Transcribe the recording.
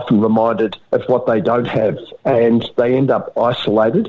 dan mereka tiba tiba terpisah